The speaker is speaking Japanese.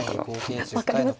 分かります。